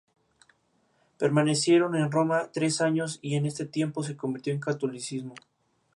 Permanecieron en Roma tres años y en este tiempo se convirtió al catolicismo.